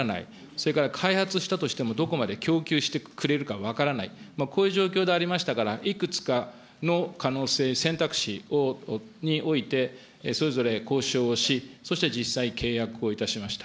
それから開発したとしても、どこまで供給してくれるか分からない、こういう状況でありましたから、いくつかの可能性、選択肢においてそれぞれ交渉をし、そして実際に契約をいたしました。